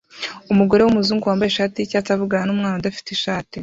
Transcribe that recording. Umugore wumuzungu wambaye ishati yicyatsi avugana numwana udafite ishati